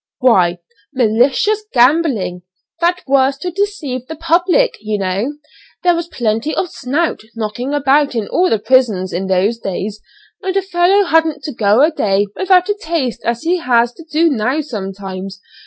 "Why, 'malicious gambling.' That was to deceive the public, you know. There was plenty of 'snout' knocking about in all the prisons in those days, and a fellow hadn't to go a day without a taste as he has to do now sometimes.